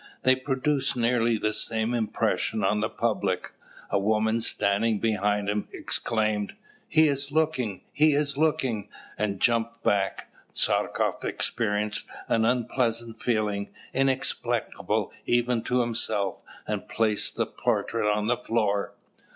They produced nearly the same impression on the public. A woman standing behind him exclaimed, "He is looking, he is looking!" and jumped back. Tchartkoff experienced an unpleasant feeling, inexplicable even to himself, and placed the portrait on the floor.